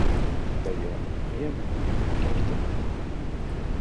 D’ailleurs rien ne nous lie au capitaine Nemo.